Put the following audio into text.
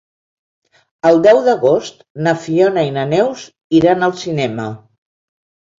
El deu d'agost na Fiona i na Neus iran al cinema.